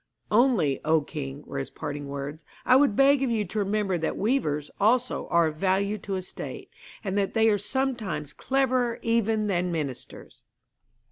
'Only, O king,' were his parting words, 'I would beg of you to remember that weavers also are of value to a state, and that they are sometimes cleverer even than ministers!'